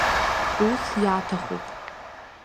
Ус иаҭахуп.